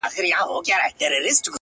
• د پېړیو پېګويي به یې کوله,